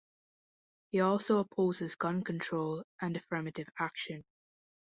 He also opposes gun control and affirmative action.